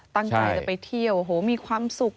ตั้งใจจะไปเที่ยวโอ้โหมีความสุข